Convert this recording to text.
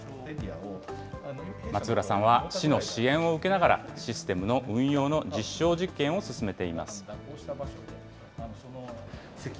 松浦さんは市の支援を受けながら、システムの運用の実証実験を進めています。